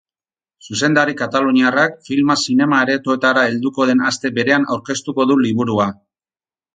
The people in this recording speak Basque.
Zuzendari kataluniarrak filma zinema-aretoetara helduko den aste berean aurkeztuko du liburua.